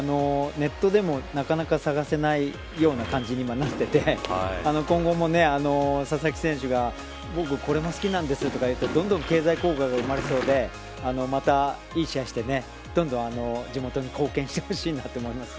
ネットでも、なかなか探せないような感じに今なってて今後も、佐々木選手が僕、これも好きなんですと言ってどんどん経済効果が生まれそうでまたいい試合して、どんどん地元に貢献してほしいなと思います。